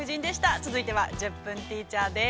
続いては「１０分ティーチャー」です。